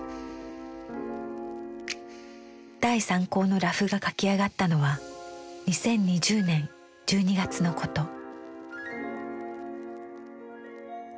第３稿のラフが描き上がったのは２０２０年１２月のこと。